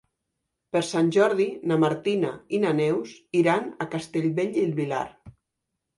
Per Sant Jordi na Martina i na Neus iran a Castellbell i el Vilar.